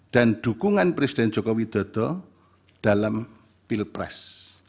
dan dukungan presiden joko widodo dalam pilpres